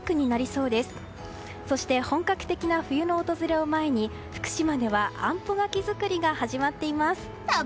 そして、本格的な冬の訪れを前に福島ではあんぽ柿作りが始まっています。